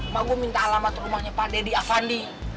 mak gue minta alamat rumahnya pak deddy afandi